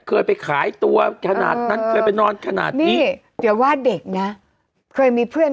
คนที่เข้ามาด่าเขาเนี้ย